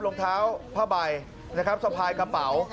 รองเท้าผ้าใบนะครับสะพายกระเป๋า